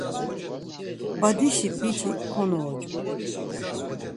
Badişi biç̌ik konuucu.